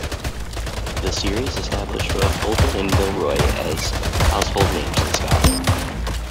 The series established both Fulton and Milroy as household names in Scotland.